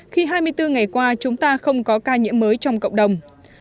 khi hai mươi bốn ngày qua chúng ta không có ca nhiễm mới trong cộng đồng